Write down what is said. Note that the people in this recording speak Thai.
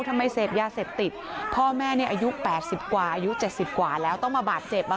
ทำไมเสพยาเสพติดพ่อแม่เนี้ยอายุแปดสิบกว่าอายุเจ็ดสิบกว่าแล้วต้องมาบาดเจ็บอ่ะค่ะ